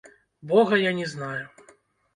Бога я не знаю!